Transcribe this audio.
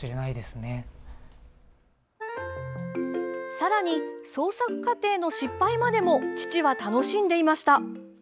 さらに創作過程の失敗までも父は楽しんでいました。